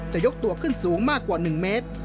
ยกตัวขึ้นสูงมากกว่า๑เมตร